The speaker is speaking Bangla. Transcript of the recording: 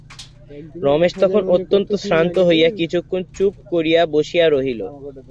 রমেশ তখন অত্যন্ত শ্রান্ত হইয়া কিছুক্ষণ চুপ করিয়া বসিয়া রহিল।